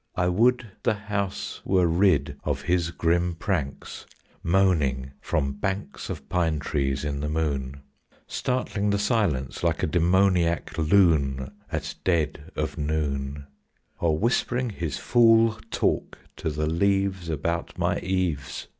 I would the house were rid of his grim pranks, Moaning from banks Of pine trees in the moon, Startling the silence like a demoniac loon At dead of noon, Or whispering his fool talk to the leaves About my eaves.